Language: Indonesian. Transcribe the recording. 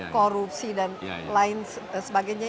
korupsi dan lain sebagainya